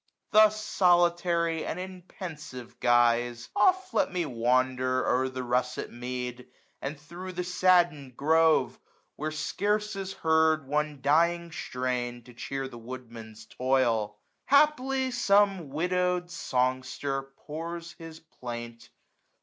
Thus solitary, and in pensive guis^f Oft let me wander o'er the russet mead. And thro* the saddened grove, where scarce is heard One dying strain, to cheer the woodman's toil. 971 Haply some widowed songster pours his plaint.